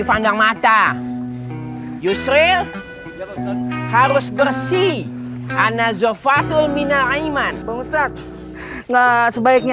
pandang mata yusril harus bersih anazofatul minar'iman ustadz sebaiknya